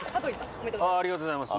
おめでとうございます。